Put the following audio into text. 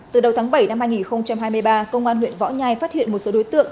từ đầu tháng bảy năm hai nghìn hai mươi ba công an huyện võ nhai phát hiện một số đối tượng